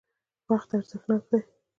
وقت ارزښتناک دی.